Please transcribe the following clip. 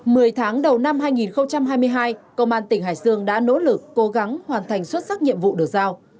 mười tháng đầu năm hai nghìn hai mươi hai công an tỉnh hải dương đã nỗ lực cố gắng hoàn thành xuất sắc nhiệm vụ được giao